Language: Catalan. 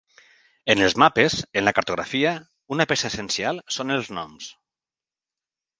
En els mapes, en la cartografia, una peça essencial són els noms.